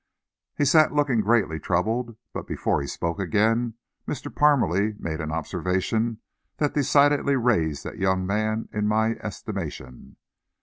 He sat looking greatly troubled, but before he spoke again, Mr. Parmalee made an observation that decidedly raised that young man in my estimation.